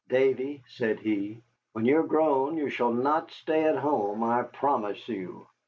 "Davy," said he, "when you are grown you shall not stay at home, I promise you.